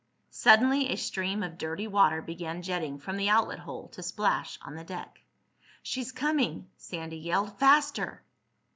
Suddenly a stream of dirty water began jetting from the outlet hole to splash on the deck. "She's coming!" Sandy yelled. "Faster!"